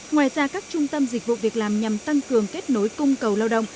ngoài ra các trung tâm dịch vụ việc làm nhằm tăng cường kết nối cung cầu lao động